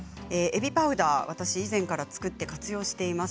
えびパウダー、私以前から作って活用しています。